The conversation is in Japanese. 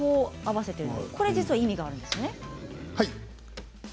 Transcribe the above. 意味があるんですよね？